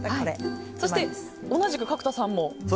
そして、同じく角田さんも緑。